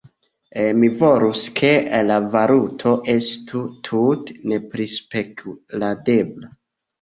Mi volus ke la valuto estu tute neprispekuladebla.